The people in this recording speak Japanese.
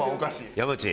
山内